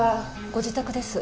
ご自宅です。